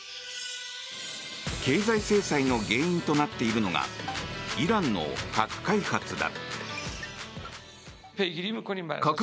経済制裁の原因となっているのがイランの核開発だ。